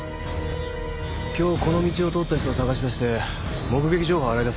今日この道を通った人を捜し出して目撃情報を洗い出せ。